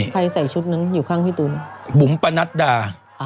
ใส่ชุดนั้นอยู่ข้างพี่ตูนบุ๋มปะนัดดา